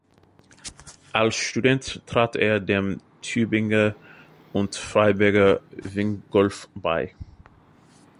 Als Student trat er dem Tübinger und Freiburger Wingolf bei.